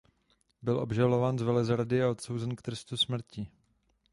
Byl obžalován z velezrady a odsouzen k trestu smrti.